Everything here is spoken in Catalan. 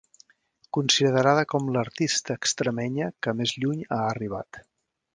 Considerada com l'artista extremenya que més lluny ha arribat.